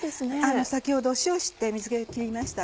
先ほど塩をして水気を切りました。